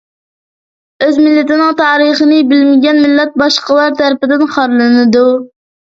ئۆز مىللىتىنىڭ تارىخىنى بىلمىگەن مىللەت باشقىلار تەرىپىدىن خارلىنىدۇ.